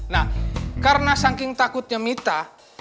nah karena saking takutnya mita